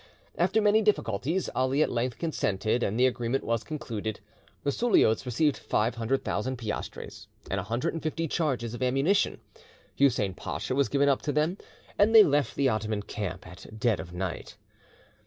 After many difficulties, Ali at length consented, and the agreement was concluded. The Suliots received five hundred thousand piastres and a hundred and fifty charges of ammunition, Hussien Pacha was given up to them, and they left the Ottoman camp at dead of night.